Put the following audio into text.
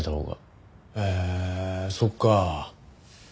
へえそっか。